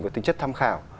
có tính chất tham khảo